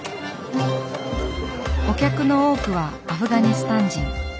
お客の多くはアフガニスタン人。